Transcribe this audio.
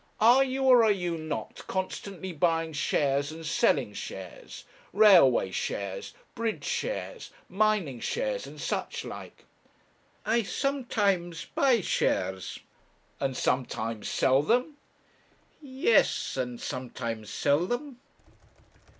Are you, or are you not, constantly buying shares and selling shares railway shares bridge shares mining shares and such like?' 'I sometimes buy shares.' 'And sometimes sell them?' 'Yes and sometimes sell them.'